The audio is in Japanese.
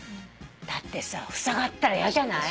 だってさふさがったら嫌じゃない？